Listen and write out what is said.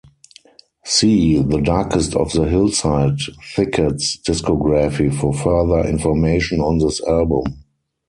See The Darkest of the Hillside Thickets discography for further information on this album.